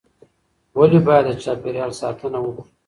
ولې باید د چاپیریال ساتنه وکړو؟